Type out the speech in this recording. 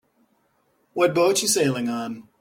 What boat you sailing on?